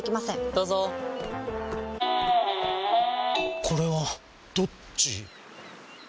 どうぞこれはどっち？